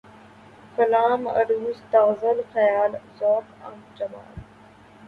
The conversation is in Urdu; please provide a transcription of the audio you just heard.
کلام ، عَرُوض ، تغزل ، خیال ، ذوق ، جمال